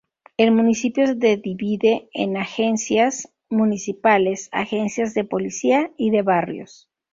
El municipio de divide en agencias municipales, agencias de policía y de barrios.